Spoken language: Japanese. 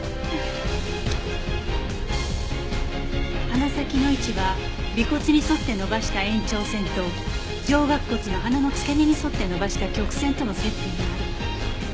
鼻先の位置は鼻骨に沿って延ばした延長線と上顎骨の鼻の付け根に沿って延ばした曲線との接点にある。